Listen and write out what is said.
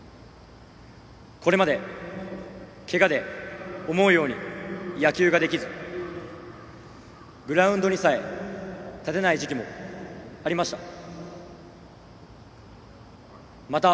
これまで、けがで思うように野球ができずグラウンドにさえ立てない時期もありました。